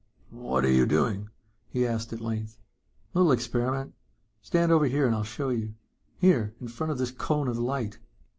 "What are you doing?" he asked at length. "Little experiment. Stand over here and I'll show you. Here, in front of this cone of light."